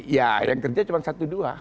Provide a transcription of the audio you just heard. ya yang kerja cuma satu dua